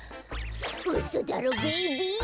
うそだろベイビー！